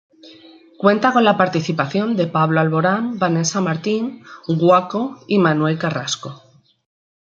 Cuenta con la participación de Pablo Alborán, Vanesa Martín, Guaco y Manuel Carrasco.